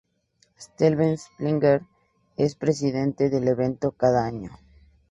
Steven Spielberg es presidente del evento cada año.